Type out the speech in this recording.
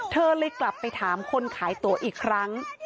เธอเลยกลับไปถามคนขายตัวอีกครั้ง